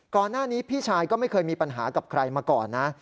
ก่อนหน้านี้พี่ชายก็ไม่เคยมีปัญหากับใครมาก่อนนะ